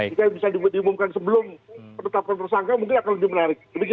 jika bisa diumumkan sebelum penetapan tersangka mungkin akan lebih menarik